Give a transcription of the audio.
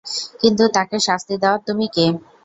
কিন্তু তাকে শাস্তি দেওয়ার তুমি কে?